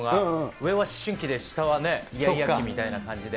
上は思春期で、下はいやいや期みたいな感じで。